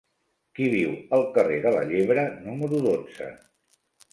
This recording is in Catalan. Qui viu al carrer de la Llebre número dotze?